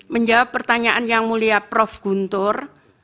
menjawab pertanyaan yang mulia prof guntur